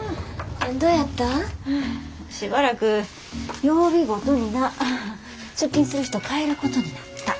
しばらく曜日ごとにな出勤する人変えることになった。